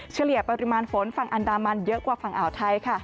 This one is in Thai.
เฉลี่ยปริมาณฝนฝั่งอันดามันเยอะกว่าฝั่งอ่าวไทยค่ะ